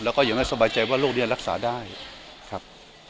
แล้วก็อย่างน้อยสบายใจว่าโรคนี้จะรักษาได้ครับ